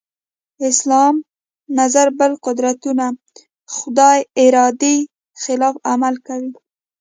اسلام نظر بل قدرتونه خدای ارادې خلاف عمل کوي.